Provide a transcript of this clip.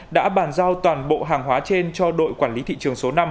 đã bàn giao toàn bộ hàng hóa trên cho đội quản lý thị trường số năm